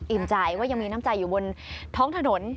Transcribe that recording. ใจว่ายังมีน้ำใจอยู่บนท้องถนน